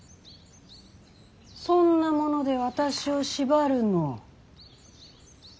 そんなもので私を縛るの？え？